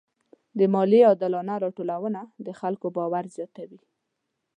د مالیې عادلانه راټولونه د خلکو باور زیاتوي.